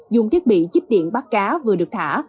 dùng thiết bị chích điện bắt cá vừa được thả